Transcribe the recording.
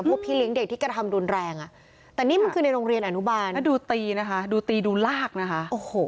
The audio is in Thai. ผมพี่ลิ้งเด็กที่กระทำดนแรงอะตัดอิ่มใชให้โรงเรียนอนุบาลดูตีนะฮะดูตีดูลากนะคะโอ้โห